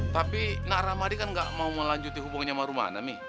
tapi nak rahmadi kan gak mau melanjutin hubungannya sama rumana mi